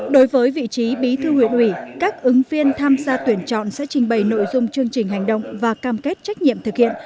đối với vị trí bí thư huyện ủy các ứng viên tham gia tuyển chọn sẽ trình bày nội dung chương trình hành động và cam kết trách nhiệm thực hiện